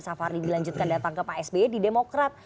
safar di dilanjutkan datang ke pak sby di demokrat